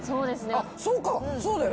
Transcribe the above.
あっそうかそうだよね。